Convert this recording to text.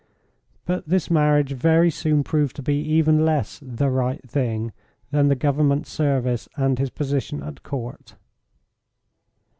But this marriage very soon proved to be even less "the right thing" than the Government service and his position at Court.